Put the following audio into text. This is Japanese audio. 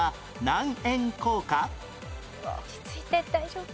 落ち着いて大丈夫。